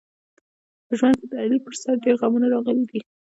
په ژوند کې د علي په سر ډېر غمونه راغلي دي.